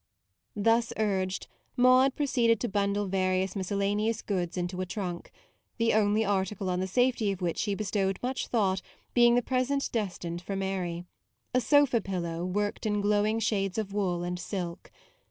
Thus urged, Maude proceeded to bundle various miscellaneous goods into a trunk; the only article on the safety of which she bestowed much thought being the present destined for Mary; a sofa pillow worked in glowing shades of wool and silk.